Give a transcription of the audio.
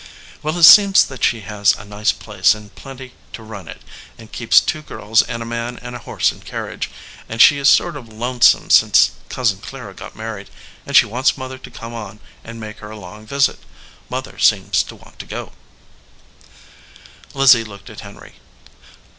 "Well, it seems that she has a nice place and plenty to run it, and keeps two girls and a man and horse and carriage, and she is sort of lonesome since Cousin Clara got married, and she wants Mother to come on and make her a long visit. Mother seems to want to go." 251 EDGEWATER PEOPLE Lizzie looked at Henry.